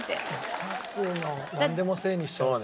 スタッフのなんでもせいにしちゃうと。